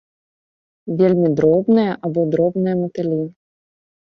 Вельмі дробныя або дробныя матылі.